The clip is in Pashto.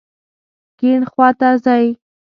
کیڼ خواته ځئ